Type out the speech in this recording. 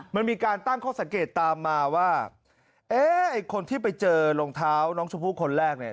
มันมีการตั้งข้อสังเกตตามมาว่าเอ๊ะไอ้คนที่ไปเจอรองเท้าน้องชมพู่คนแรกเนี่ย